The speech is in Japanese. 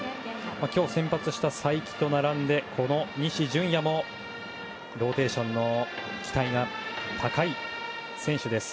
今日、先発した才木と並んでこの西純矢もローテーションの期待が高い選手です。